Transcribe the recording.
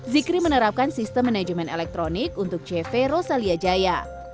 zikri menerapkan sistem manajemen elektronik untuk cv rosalia jaya